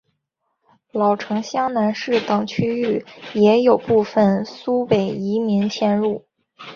老城厢南市等区域也有部分苏北移民迁入。